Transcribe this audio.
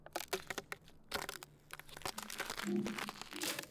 mashariki mwa Jamhuri ya Kidemokrasi ya Kongo siku ya Jumapili